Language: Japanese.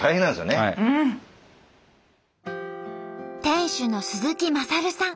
店主の鈴木勝さん